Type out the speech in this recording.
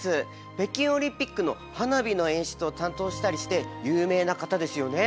北京オリンピックの花火の演出を担当したりして有名な方ですよね。